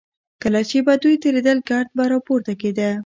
کله چې به دوی تېرېدل ګرد به راپورته کېده.